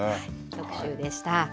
特集でした。